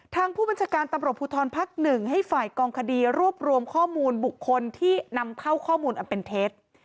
ทางผู้บัญชาการตำรวจภูทรภักดิ์๑ให้ฝ่ายกองคดีรวบรวมข้อมูลบุคคลที่นำเข้าข้อมูลอันเป็นเท็จ